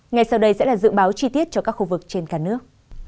ngay sau đây sẽ là dự báo chi tiết cho các khu vực trên cả nước